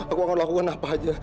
aku akan lakukan apa aja